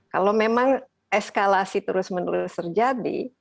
kalau memang eskalasi terus menerus terjadi